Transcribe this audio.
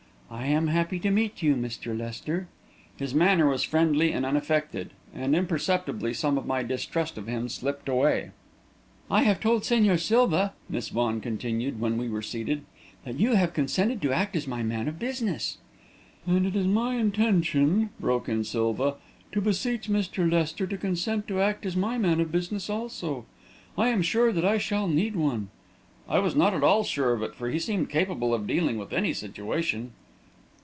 "I am happy to meet you, Mr. Lester." His manner was friendly and unaffected, and imperceptibly some of my distrust of him slipped away. "I have told Señor Silva," Miss Vaughan continued, when we were seated, "that you have consented to act as my man of business." "And it is my intention," broke in Silva, "to beseech Mr. Lester to consent to act as my man of business also. I am sure that I shall need one." I was not at all sure of it, for he seemed capable of dealing with any situation.